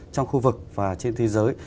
trong khu vực và trên thế giới